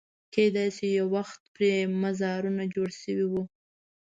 کېدای شي یو وخت پرې مزارونه جوړ شوي وو.